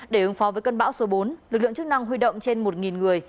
để ứng phó với cơn bão số bốn lực lượng chức năng huy động trên một người